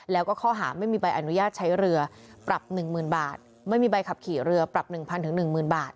แล้วก็ข้อหาไม่มีใบอนุญาตใช้เรือปรับ๑๐๐๐บาทไม่มีใบขับขี่เรือปรับ๑๐๐๑๐๐บาท